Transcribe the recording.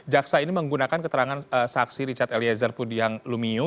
jaksa ini menggunakan keterangan saksi richard eliezer pudihang lumio